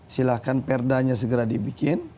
silahkan perdanya segera dibikin